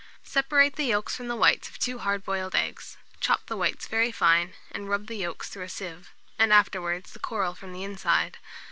Separate the yolks from the whites of 2 hard boiled eggs; chop the whites very fine, and rub the yolks through a sieve, and afterwards the coral from the inside.